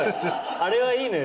あれはいいのよ